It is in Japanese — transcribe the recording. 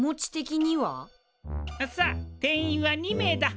さあ定員は２名だ。